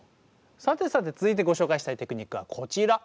さてさて続いてご紹介したいテクニックはこちら。